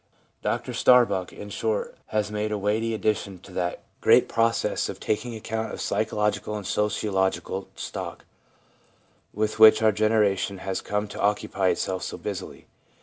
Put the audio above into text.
Dr Starbuck, in short, has made a weighty addition to that great process of taking account of psychological and sociological stock, with which our generation has come to occupy itself so busily.